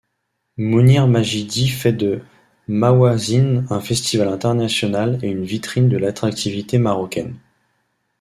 Mounir Majidi fait de Mawazine un festival international et une vitrine de l’attractivité marocaine.